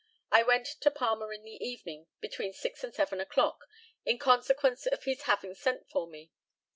I went to Palmer in the evening, between six and seven o'clock, in consequence of his having sent for me.